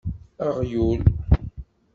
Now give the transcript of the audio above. Aɣyul!